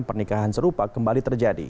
pernikahan serupa kembali terjadi